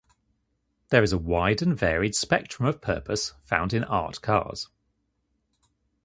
There is a wide and varied spectrum of purpose found in art cars.